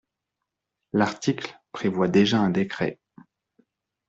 L’article prévoit déjà un décret.